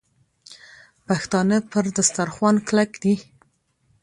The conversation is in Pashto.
پښتانه پر دسترخوان کلک دي.